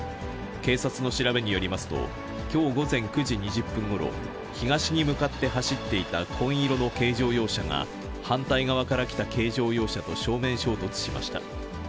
警察の調べによりますと、きょう午前９時２０分ごろ、東に向かって走っていた紺色の軽乗用車が、反対側から来た軽乗用車と正面衝突しました。